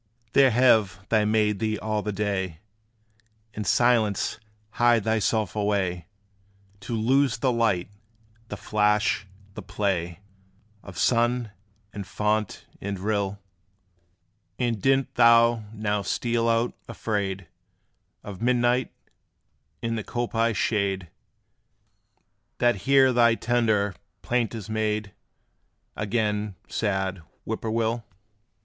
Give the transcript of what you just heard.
There have they made thee all the day In silence hide thyself away, To lose the light, the flash, the play Of sun, and fount, and rill? And didst thou now steal out, afraid Of midnight in the coppice shade, That here thy tender plaint is made Again, sad Whip poor will?